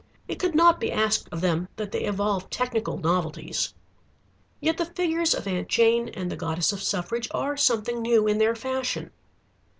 It could not be asked of them that they evolve technical novelties. Yet the figures of Aunt Jane and the Goddess of Suffrage are something new in their fashion.